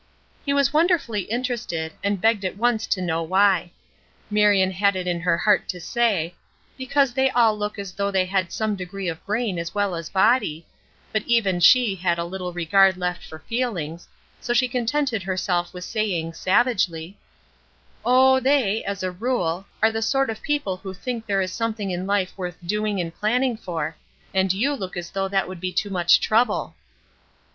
He was wonderfully interested, and begged at once to know why. Marion had it in her heart to say, "Because they all look as though they had some degree of brain as well as body," but even she had a little regard left for feelings; so she contented herself with saying, savagely: "Oh, they, as a rule, are the sort of people who think there is something in life worth doing and planning for, and you look as though that would be too much trouble."